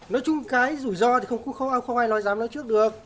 nói chung cái rủi ro thì không ai lo giám nó trước được